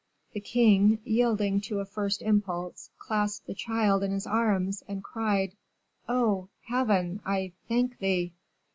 The king, yielding to a first impulse, clasped the child in his arms, and cried, 'Oh, Heaven, I thank Thee!